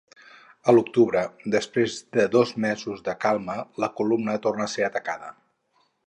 A l'octubre, i després de dos mesos de calma, la columna torna a ser atacada.